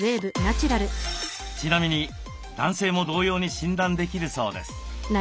ちなみに男性も同様に診断できるそうです。